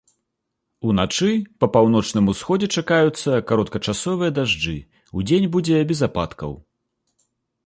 Уначы па паўночным усходзе чакаюцца кароткачасовыя дажджы, удзень будзе без ападкаў.